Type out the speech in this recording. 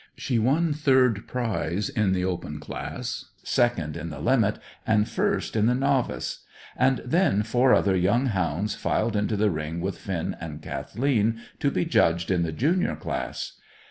She won third prize in the Open class, second in the Limit, and first in the Novice. And then four other young hounds filed into the ring with Finn and Kathleen to be judged in the junior class.